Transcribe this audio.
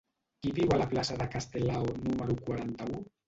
Qui viu a la plaça de Castelao número quaranta-u?